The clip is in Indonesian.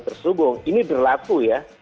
tersubung ini berlaku ya